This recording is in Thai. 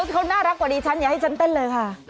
เขาน่ารักกว่าดิฉันอย่าให้ฉันเต้นเลยค่ะ